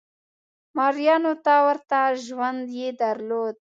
مریانو ته ورته ژوند یې درلود.